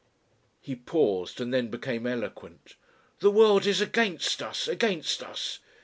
He paused and then became eloquent. "The world is against us, against us.